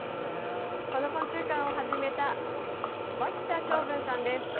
この昆虫館を始めた脇田祥文さんです。